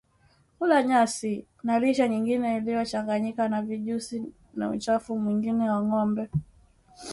Kula nyasi maji na lishe nyingine iliyochanganyika na vijusi na uchafu mwingine wa ngombe